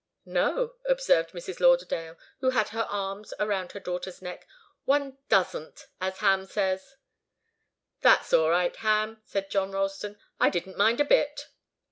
"No," observed Mrs. Lauderdale, who had her arms around her daughter's neck. "One doesn't as Ham says." "That's all right, Ham," said John Ralston. "I didn't mind a bit."